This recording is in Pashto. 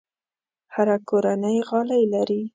هره کورنۍ غالۍ لري.